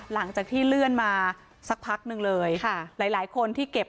หลังจากที่เลื่อนมาสักพักหนึ่งเลยค่ะหลายคนที่เก็บ